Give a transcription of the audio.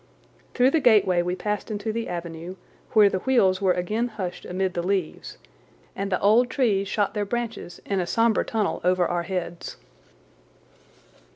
Through the gateway we passed into the avenue, where the wheels were again hushed amid the leaves, and the old trees shot their branches in a sombre tunnel over our heads.